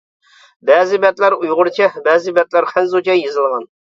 بەزى بەتلەر ئۇيغۇرچە، بەزى بەتلەر خەنزۇچە يېزىلغان.